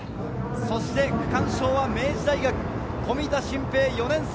そして区間賞は明治大学・富田峻平、４年生。